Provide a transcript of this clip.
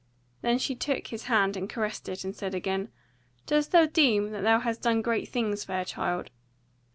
Then she took his hand and caressed it, and said again: "Dost thou deem that thou hast done great things, fair child?